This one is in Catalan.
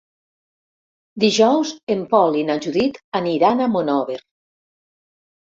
Dijous en Pol i na Judit aniran a Monòver.